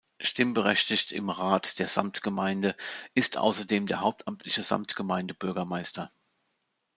Stimmberechtigt im Rat der Samtgemeinde ist außerdem der hauptamtliche Samtgemeindebürgermeister.